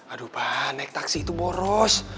aduh pak naik taksi itu boros